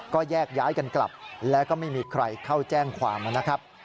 ก็แยกย้ายกันกลับและก็ไม่มีใครเข้าแจ้งความนะครับ